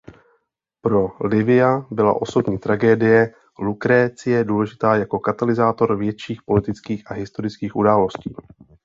Pro Livia byla osobní tragédie Lukrécie důležitá jako katalyzátor větších politických a historických událostí.